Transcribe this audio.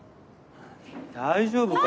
大丈夫か？